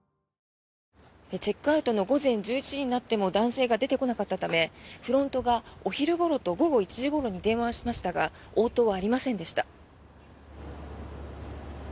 チェックアウトの午前１１時になっても男性が出てこなかったためフロントがお昼ごろと午後１時ごろに電話をしましたが応答はありませんでした。